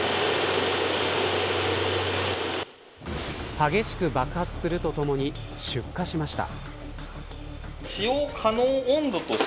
激しく爆発するとともに出火しました。